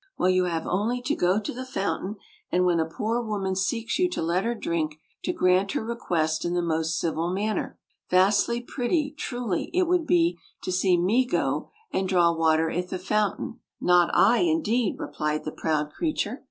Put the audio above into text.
Well, you have only to go to the fountain, and when a poor woman asks you to let her drink, to grant her request in the most civil manner." " Vastly pretty, truly, it would be to see me go and draw water at the fountain! Not I, indeed!" replied the proud creature.